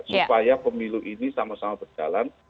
supaya pemilu ini sama sama berjalan